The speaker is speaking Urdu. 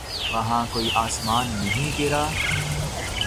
وہاں کوئی آسمان نہیں گرا۔